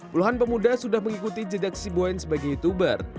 puluhan pemuda sudah mengikuti jejak si boen sebagai youtuber